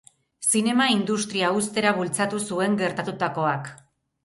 Zinema industria uztera bultzatu zuen gertatutakoak.